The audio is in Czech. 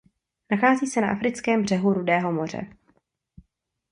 Nachází se na africkém břehu Rudého moře.